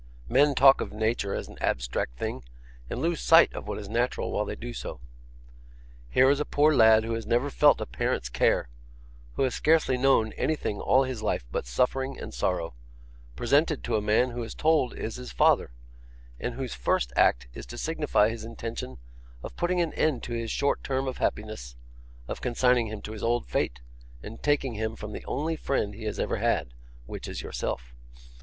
Men talk of Nature as an abstract thing, and lose sight of what is natural while they do so. Here is a poor lad who has never felt a parent's care, who has scarcely known anything all his life but suffering and sorrow, presented to a man who he is told is his father, and whose first act is to signify his intention of putting an end to his short term of happiness, of consigning him to his old fate, and taking him from the only friend he has ever had which is yourself.